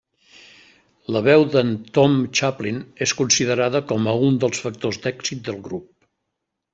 La veu d'en Tom Chaplin és considerada com a un dels factors d'èxit del grup.